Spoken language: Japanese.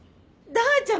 ダーちゃん！？